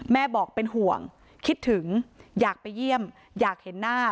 แม่บอกเป็นห่วงคิดถึงอยากไปเยี่ยมอยากเห็นหน้า